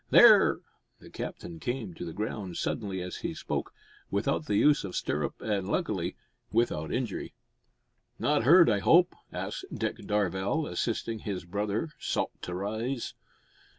There " The captain came to the ground suddenly as he spoke, without the use of stirrup, and, luckily, without injury. "Not hurt I hope?" asked Dick Darvall, assisting his brother salt to rise.